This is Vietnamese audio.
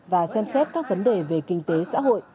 và xem xét các vấn đề về kinh tế xã hội